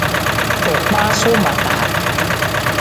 U kpaasu ma taa.